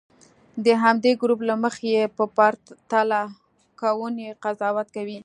د همدې ګروپ له مخې یې په پرتله کوونې قضاوت کوي.